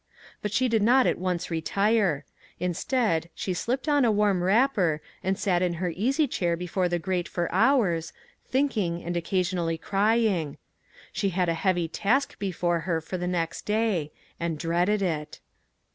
But she did not at once retire; instead, she slipped on a warm wrapper and sat in her easy chair before the grate for hours, thinking, and occasionally crying. She had a heavy task before her for the next day, and dreaded it.